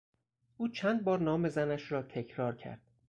او چند بار نام زنش را تکرار کرد.